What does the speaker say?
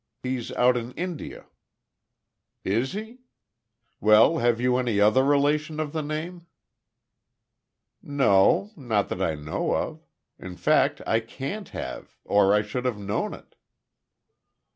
He's out in India." "Is he? Well have you any other relation of the name?" "No. Not that I know of. In fact I can't have or I should have known it."